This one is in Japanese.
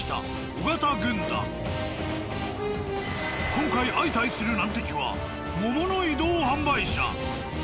［今回相対する難敵は桃の移動販売車］